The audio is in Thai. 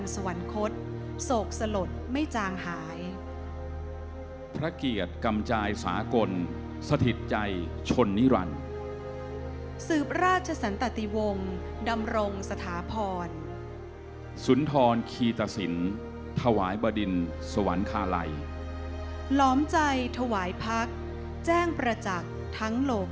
สำหรับหัวข้อของแต่ละฉบับที่๑๓๒๗ตุลาคม๒๕๖๐นะคะ